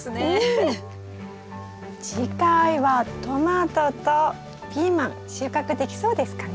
次回はトマトとピーマン収穫できそうですかね。